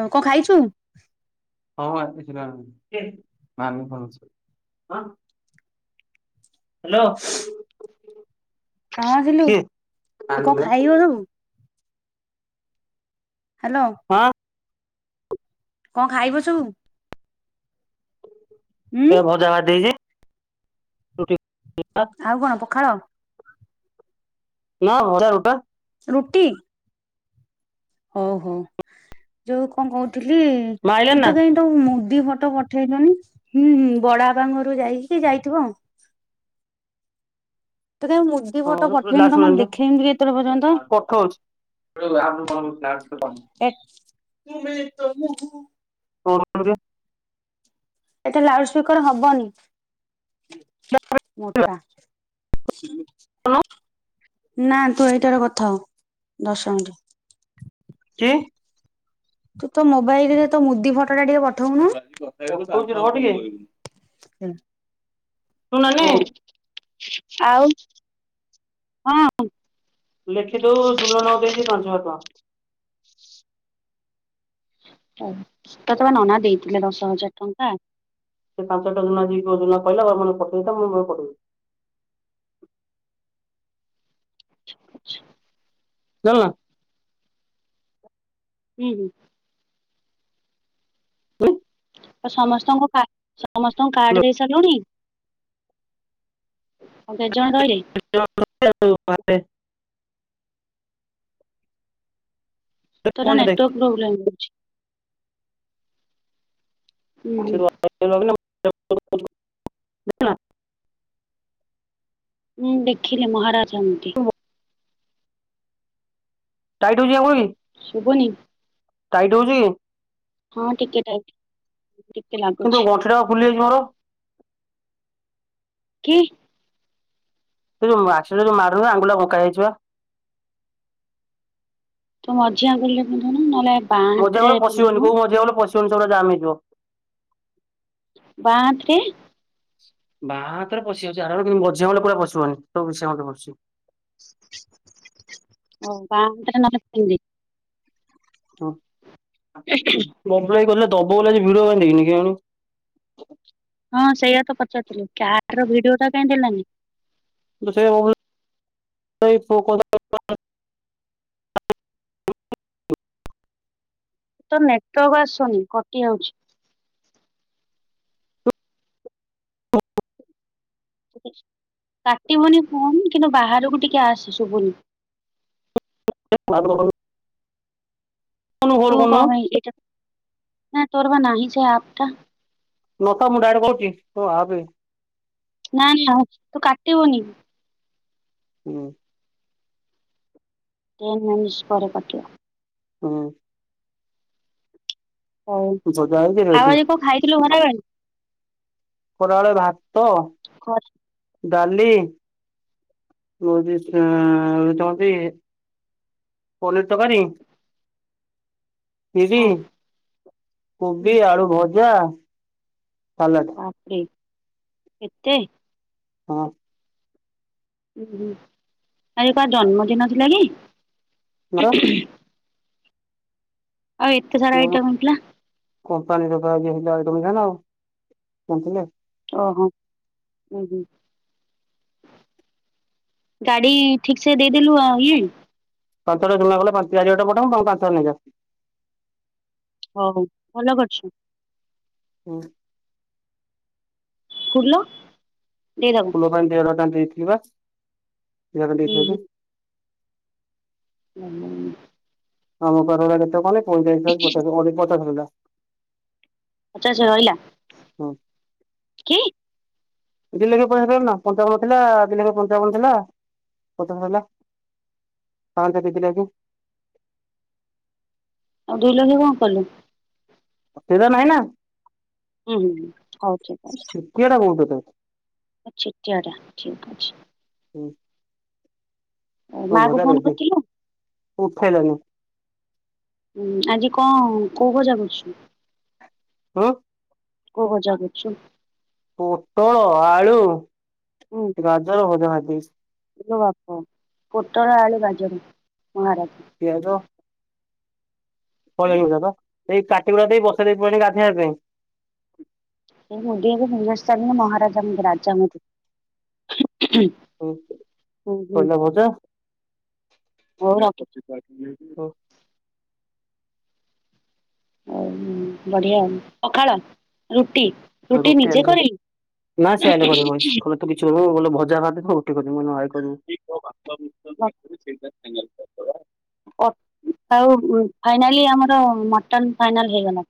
ନ କଣ ଖାଇଛୁ? ହଁଁ ଆସିଥିଲା ମାନୁ ଫୋନ୍ ଅଛି। ହ୍ୟାଲୋ ହଁ ଆସିଲୁ କିଏ କଣ ଆଲ ଖାଇବ ସବୁ? ହ୍ୟାଲୋ। ହଁ। କଣ ଖାଇ ବସିବୁ ଉଁ ଏ ଭଜା ଭାଜି ଦେଇଛି [unintelligible] ଆଉ କଣ ପଖାଳ? ନା ଭଜା ରୁଟା। ରୁଟି? ହୋଉ ହୋଉ ଯୋଉ କଣ କହୁଥିଲି ମା ତୁ ଆଇଲାଣି ନା ତ କାହିଁ ଯୋଉ ମୁଦି ଫଟୋ ପଠେଇଲୁନି ହୁଁ ହୁଁ ବଡ ବାପାଙ୍କ ଘରକୁ ଯାଇକି ଯାଇଥିବ। ତୁ କାଇଁ ମୁଁ ହଁ ପିଲାସ ଦେନିତ ପଠୋଉଚି [unintelligible] ଏତ କଣ କହୁଥିଲା? ଏଟା ଲାଉଡ ସ୍ପିକର ହବନି। ମୋଟା। ନା ତୁ ଏଇଟାରେ କଥା ହୋ ଦଶ ମିନିଟ। କିଏ? ତୁ ତ ମୋବାଇଲରେ ତୋ ମୁଦି ଫଟୋ ଟା ଟିକେ ପଠଉନୁ। ହଁ ପଠଉଛି ରହ ଟିକେ ଶୁଣୁ ନାନୀ ହୋଉ। ଆଉ ହଁ ଲେଖିଦୋବୁ ଜୁଲୁନନା କୁ ଦେଇଛି ପାଞ୍ଚ ହଜାର ଟଙ୍କା। ଓ ତ ତମ ନନା ଦେଇଥିଲେ ଦଶ ହଜାର ଟଙ୍କା। ସେ ପାଞ୍ଚଟା ଜୁନା ଆସିକି କ ଜୁଲୁନା କହିଲା ଘର ମାନ ପଠେଇଥା ମୁଁ କହିନି ପଠୋଉଚି। ଛା ଯାଇଁଲୁନା। ହୁଁ ହୁଁ। [inaudible] ଆ ସମସ୍ତଙ୍କୁ କା ସମସ୍ତଙ୍କୁ କାର୍ଡ ଦେଇ ସାରିଲୁଣି? ଆଉ କେତେ ଜଣ ରହିଲେ? [unintelligible] ଜଣ। [unintelligible] ତୋର ନେଟୱାର୍କ ପ୍ରୋବ୍ଲେମ ରହୁଛି। ହୁଁ ହୁଁ [unintelligible] ହଁ ଦେଖିଲି ମହାରାଜା ମୁଦି। ଟାଇଟ ହୋଉଛି ଆଉ କଣ କି। ଶୁଭୁନି। ଟାଇଟ ହୋଉଛି କି? ହଁ ଟିକେ ଟାଇଟ୍। କିନ୍ତୁ ଗଣ୍ଠି ଟା ଖୋଲିଯାଇଛି ମୋର। କି? ସେଉ ଯୋଉ ଆକ୍ସିଡେଣ୍ଟରେ ଯୋଉ ମାଡ ହେଲା ଆଙ୍ଗୁଳି ଟା ବଙ୍କା ହେଇଯାଇଛି ପା। ତୁ ମଝି ଆଙ୍ଗୁଳିରେ ପିନ୍ଧୁନୁ ନହେଲେ ବାଁ ମଝି ହାତରେ ଆଙ୍ଗୁଳିରେ ପଶିବନି ପିନ୍ଧୁନୁ କୋଉ ମଝୀ ଆଙ୍ଗୁଳିରେ ପଶିବନି ସବୁରା ଜାମ ହେଇ। ବାଁ ହାତରେ? ବାଁ ହାତରେ ପଶିଯାଉଛି ଆରମରେ କିନ୍ତୁ ମଝି ଆଙ୍ଗୁଳିରେ କୋଉରା ପଶିବନି ସବୁ ବିଶି ଆଙ୍ଗୁଳିରେ ପସୁଛି। ଓ ବାଁ ହାତରେ ନହେଲେ ପିନ୍ଧିଦେ। ହଁ ବବୁ ଭାଇ କହୁଥିଲା ଦବ ବୋଲି ଆଜି ଭିଡିଓ ବନେଇକିନି କିଆଣି। ହଁ ସେଇଆ ତ ପଚାରଥିଲି କାର ର ଭିଡିଓ ଟା କାହିଁ ଦେଲାନି? ଯେତେବେଳେ ବହୁ। [unintelligible] ତ ନେଟୱାର୍କ ଆସୁନି କଟି ଯାଉଛି। କାଟିବୁନି କଣ କିନ୍ତୁ ବାହାରକୁ ଟିକେ ଆସ ଶୁଭୁନି। ଟିକେ ମାଇକ୍ରୋଫୋନେ। ତୁ କରୁନୁ କମାଇ ଏଟା ନା ତୋର ବା ନାହିଁ ସେ ଆପ୍ ଟା। ନତା ମୁଣ୍ଡ ଆଡେ କହୁଚି ହଁ ଆସେ। ନା ନା ତୁ କାଟିବୁନି। ହୁଁ। ଟେନ ମେସ୍ ପରେ କଟିଲ। ହଁ। ହୋଉ ଭଜା ହେଇକି ଆଉ ରେଡି ଆଜି କଣ ଖାଇଥିଲୁ ଘରାବେଳେ? ଖରାବେଳେ ଭାତ ଖରା ଡାଲି ହୁଁ [unintelligible] ପନିର ତରକାରୀ। ଖିରି ହଁ ହୁଁ କୋବି ଆଳୁ ଭଜା ସାଲାଟ। ବା କେତେ ହଁ। ଉ ହୁଁ ଆଜି କାହା ଜନ୍ମଦିନ ଥିଲା କି? ମୋର ଆଉ ଏତେ ସାରା ଆଇଟମ୍ ହେଇଥିଲା। କମ୍ପାନୀରଏ ହେଲା [unintelligible] ଆଉ ପହଞ୍ଚିଲେ। ଓହୋ ହୁଁ ହୁଁ। ଗାଡି ଠିକ୍ ସେ ଦେଇଦେଲୁ ଆଉ ଇଏ। ପାଞ୍ଚଟା ଜମା ଗଲେ ପାଞ୍ଚ ଚାରିଟା ପଠବମଙ୍କୁ ପାଞ୍ଚ ନେଇଯା। ହୋଉ ଭଲ କରୁଛୁ। ହଁ। ଫୁଲ ଦେଇଦେବ। ଉଁ [unintelligible] ହୁଁ। ଆମ ପାଖାରେ କେତେ କଲେ ପଇଁଚାଳିଶଶ ପଚାଶ ହଜା ଆଚ୍ଛା ଆଚ୍ଛା ରହିଲା। ହୁଁ। କି ଦି ଲେଖା ଟଙ୍କ ନା ପଞ୍ଚାବନ ଥିଲା ଦି ଲକ୍ଷ ପଞ୍ଚାବନ ଥିଲା ପଚାଶ ହେଲା। କଣ ସେ ଦେଇଥିଲା କି? ଆଉ ଦୁଇ ଲକ୍ଷ୍ୟ କଣ କଲୁ? କ୍ଷୀର ନାହିଁ ନା। ହୁଁ ହୁଁ ହଉ ଠିକ ଅଛି। କିଏଟା କହୁଛୁ ତୁ? ଚିଟିଆଟା ଠିକ୍ ଅଛି। ହୁଁ। ହଁ ମା କୁ ଭଜା ଫୋନ୍ ରେଡି କରିଥିଲୁ ଉଠେଇଲନି। ହୁଁ ଆଜି କଣ କୋଉ ଭଜା କରୁଛୁ? ହୁଁ। କୋଉ ଭଜା କରଛୁ? ପୋଟଳ ଆଳୁ ହୁଁ ଗାଜର ଭଜା ଖାଦେଇଛି। ବାପ ପୋଟଳ ଆଳ ବାଜରୁ ମହାରାଜ। ପିଆଜ। ଫଳୀ ଗୁଡା ତ ସେଇ କାଟିଗୁଡା ଦେଇ ବସା ଦେଇ ପଳେଇଲି ଗାଧେଇଆବା ପାଇଁ। ସେ ମୋଦି ବିମସ୍ଥାନ ମହାରାଜା ମ ରାଜା ନୁହନ୍ତି। ହଁ କଲରା ଭଜା। [unintelligible] [inaudible] ହ ବଢିଆ ଆଉ ପଖାଳ ରୁଟି। ରୁଟି ନିଜେ କରି ତ କିଛି କରୁନୁ ବୋଲେ ଭଜା ଭାଜିବୁ ରୁଟି କରିିବୁ ମୁଁ କହିନି ହଁ ଆଇ କରିବୁ। [unintelligible] ପ ଫ ଫାଇନାଲି ଆମର ମଟନ ଫାଇନାଲ ହେଇଗଲା।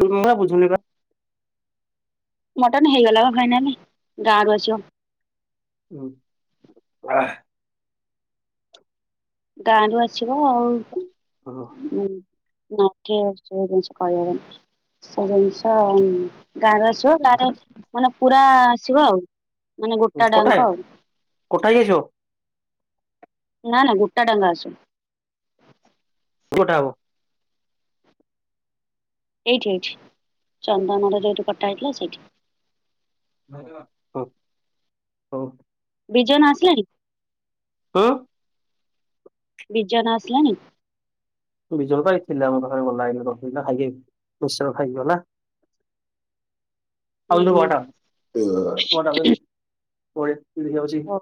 [unintelligible] ବୁଝୁନିବା। ମଟନ ହେଇଗଲା ବା ଫାଇନାଲ ଗାଁ ରୁ ଆସିବ। ହୁଁ। ଗାଁରୁ ଆସିବ ଆଉ ହୁଁ। [unintelligible] ଆସିବ ଗାଁରେ ମାନେ ପୁରା ଆସିବ ଆଉ। ମାନେ ଗୋଟା ଡାଙ୍କ କୋଠାଏ ଆଉ କୋଠା ଯାଉଚ। ନା ନା ଗୋଟା ଡାଙ୍ଗ ଆସୁନି। ଟା ହବ। ଏଇଠି ଏଇଠି ଚନ୍ଦନର ଯୋଠି କଟା ହେଇଥିଲା ସେଇଠି। [inaudible] ବିଜୟନ ଆସିଲାଣି। ହଁ। ବିଜୟନ ଆସିଲାଣି। ବିଜୟନ ବା ଏଇ ଥିଲା ମୋ ପାଖରେ ଗଲା ଏଇନକେ ବସିଥିଲା ଖାଇକି ମିକ୍ସଚର ଖାଇଲି ଗଲା। ହୁଁ ହୁଁ [unintelligible] ପରେ ପିନ୍ଧି ଯାଉଚି। ହଉ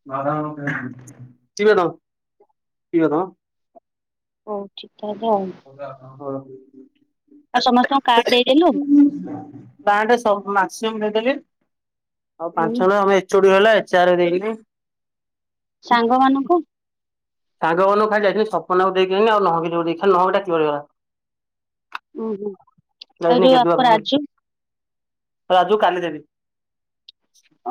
[unintelligible] [unintelligible] ହଉ ଠିକ୍ ତାହେଲେ ଆଉ। [unintelligible] ଆଉ ସମସ୍ତଙ୍କୁ କାର୍ଡ ଦେଇଦେଲୁ। କାର୍ଡ ସବୁ ମ୍ୟାକ୍ସିମମ୍ ଦେଇଦେଲି ଆଉ ହୁଁ ପାଞ୍ଚ ଜଣ ଆମ ଏଚ ଓ ଡି ହେଲା ଏଚା ଆର ଦେଇନି। ସାଙ୍ଗ ମାନଙ୍କୁ ସାଙ୍ଗ ମାନଙ୍କୁ ଖାଲି ଯାଇଥିଲି ସପନା କୁ ଦେଇକି ଆଇଲି ଆଉ ନହକି କୁ ଯୋଉ ଦେଇଥାନ୍ତି ଖାଲି ନହକି ଟା ଥିବ ଯାହା। ହୁଁ ହୁଁ ଆଉ ଯୋଉ ଆକୁ ରାଜୁ [unintelligible] ରାଜୁ କାଲି ଦେବି।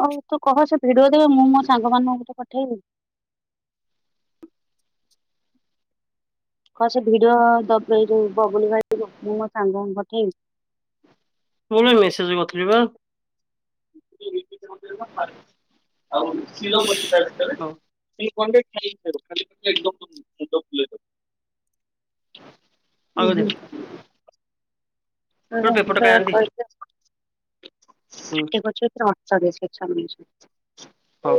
ଓଉ ତୁ କହ ସେ ଭିଡିଓ ଦେବେ ମୁଁ ମୋ ସାଙ୍ଗମାନଙ୍କୁ ପଠେଇବି। କହ ସେ ଭିଡ଼ିଓ ଦବ ଏଇ ଯୋଉ ବବୁଲି ଭାଇ ମୁ ମୋ ସାଙ୍ଗ ମାନଙ୍କୁ ପଠେଇବି। ମୁଁ ଏଇନା ମେସେଜ କରିଥିଲି ବା। [unintelligible] ହଉ [unintelligible] ଆଉ ଉଁ ଦେ ହୁଁ। [unintelligible] [unintelligible] କାଳିଆ ଗୋଟେ ପେପରଟା କାଢି ଆଣିଦେ ହୁଁ ହଉ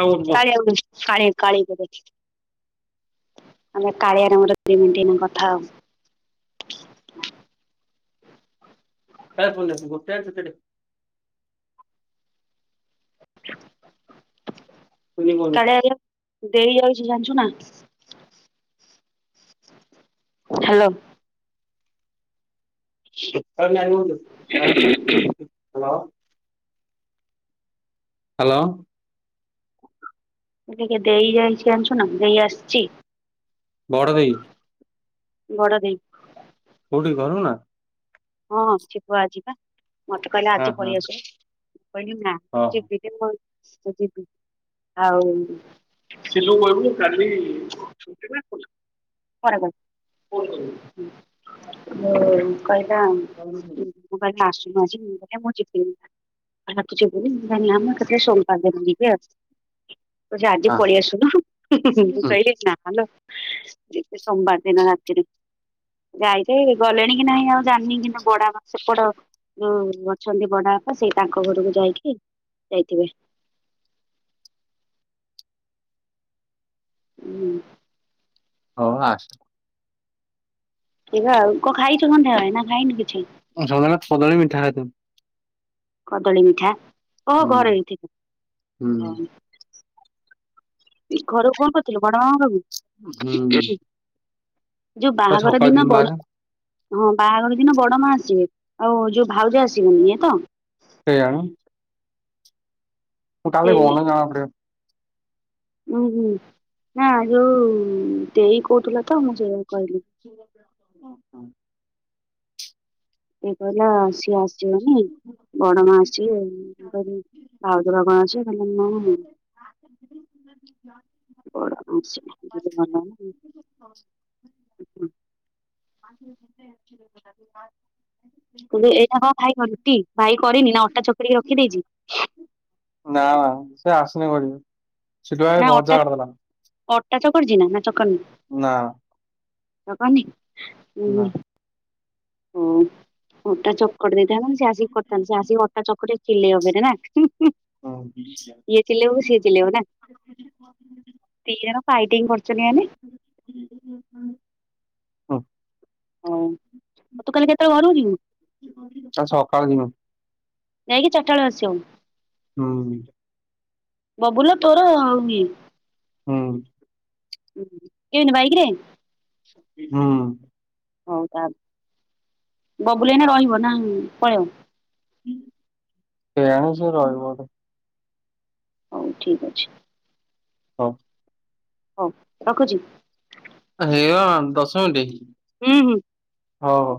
ଆଉ ଆମେ କାଳିଆର ମୋର ତିନି ଦିନ କଥା ହଉନୁ। [unintelligible] କାଳିଆ [unintelligible] ଦେଇ ଯାଉଚି ଜାଣିଛୁ ନା। ହ୍ୟାଲୋ। ହ [unintelligible] ହଲୋ। ହ୍ୟାଲୋ। ସେ ଟିକ ଦେଇ ଯାଇଛି ଜଣିଛୁ ନା ଦେଇ ଆସିଛି। ବଡ ଦେଇ, ବଡ଼ ଦେଇ। କୋଉଠି ଘରକୁ ନା! ହଁ ଯିବୁ ଆଜି ପା ମତେ କହିଲ ହଁ ଆଜି ହଁ ପଳେଇ ଆସୁନୁ ମୁଁ କହିଲି ନା ଯି ହଁ। ଦିଦିନି ଯିବି ଆଉ ସିନୁ କୁ କହିବୁ କି କାଲି କ କ ଓ କହିଲା କ ମୁଁ କହିଲି ଆସୁନୁ ଆସୁନୁ ଟିକେ ମୁଁ ଯିବିନି। ଆଉ ତୁ ଯିବୁନି ମୁଁ କହିଲି ମୁଁ ଏକା ଥରେ ସୋମବାରେ ଯିବି ଆଉ କହୁଛି ଆଜି ପଳେଇ ଆସୁନୁ, ମୁଁ ହୁଁ କହିଲି ନା ଲୋ, ଯିବି ସୋମବାର ଦିନ ରାତିରୁ ଯାଇଛ ଗଲେଣି କି ନାହିଁ ଆଉ ଜାଣିନି କିନ୍ତୁ ବଡ ବାପ ସେପଟ ଯୋଉ ଅଛନ୍ତି ବଡ ବାପା ସେଇ ତାଙ୍କ ଘରକୁ ଯାଇକି ଯାଇଥିବେ। ହୁଁ। ହଉ ଆ ଏ ଆଉ କଣ ଖାଇଛୁ ସଂଧ୍ୟାବେଳେ ନା ଖାଇନୁ କିଛି ହଁ ସନ୍ଧ୍ୟାରେ ମିଠା ଖାଇ ଥିଲି, କଦଳୀ ମିଠା କଣ ହୁଁ। ଘରେ ହେଇଛି? ହୁଁ ହଁ। ଘରକୁ କଣ କରୁଥିଲୁ ବଡ ମାଆଙ୍କବି ହୁଁ। ଯୋଉ ବାହାଘର ସକାଳୁ ଦିନ ଯିବି ବାହାରି ବଡ ହଁ ବାହାଘର ଦିନ ବଡ ମା ଆସିବେ ଆଉ ଯୋଉ ଭାଉଜ ଆସିବେନି ଏଇ ତ, ସେଇଆ ବା। ମୁଁ ତା ଭି ଉୁଁ ହୁଁ ନା ଯୋଉ ଦେଇ କହୁଥିଲେ ତ ମୁଁ ସେଇଆକୁ କହିଲି। ଓ ହ ହଁ। ସେ କହିଲା ସିଏ ଆସିଯିବନି ବଡ ମା ଆସିବେ। ମୁ କହିଲି ଭାଉଜ ର କାଇଁ ଆ ବଡ ମାଉସୀ ତୁ ଏଇଟା କଣ ଭାଇ କରତୀ ଭାଇ କରିନି ନା ଅଟା ଚକଟିକି ରଖିଦେଇଛି? ନା ସେ ଆସୁଲେ କରିବେ ସେଠୁ ନା ଅଟା ଭଜା ଅଲଗା ଅଟା ଚକଟିଛି ନା ଚକଟିନି? ନା। ଚକଟିନି ନା। ହୁଁ। ହଉ ଅଟା ଚକଟି ଦେଇଥାନ୍ତ ନା ସେ ଆସିକି କରିଥାନ୍ତା ସେ ଆସିକି ଅଟା ଚକଟି ଚିଲେବ ଫୁନି ନା? ଇଏ ଚିଲେଇବ ସିଏ ଚିଲେଇବ ନା ହୁଁ। ଦି ଜଣ ଫାଇଟିଂ କରୁଛନ୍ତି ମାନେ ହୁଁ ହୁଁ ହୁଁ। ହଉ ତୁ କାଲି କେତେବେଲୁ ଘରକୁ ଯିବୁ? ତା ସକାଳେ ଯିବି ଯାଇକି ଚାରିଟା ବେଳେ ଆସିବୁ? ହୁଁ। ବବୁଲ ର ତୋର ଆଉ କିଏ? ହୁଁ। କେମିତି ବାଇକ୍ ରେ? ହଁ। ହଉ ତା ବବୁଲ ଏଇନା ରହିବ ନା ପଳେଇବ। କେଇ ଯାଣି ସେ ରହିବ ବୋଧେ। ହଉ ଠିକ ଅଛି। ହଉ। ହଉ ରଖୁଚି। ହେଇଗ ଦଶ ମିଣ୍ଟି। ହୁଁ ହୁଁ। ହଉ ହଉ।